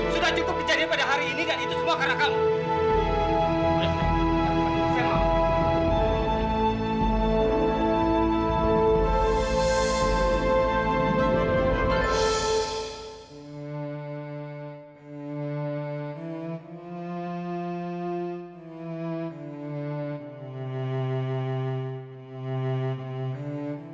sudah cukup kejadian pada hari ini dan itu semua karena kamu